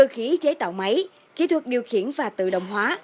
khí chế tạo máy kỹ thuật điều khiển và tự động hóa